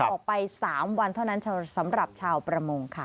ออกไป๓วันเท่านั้นสำหรับชาวประมงค่ะ